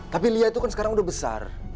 tapi lia itu kan sekarang udah besar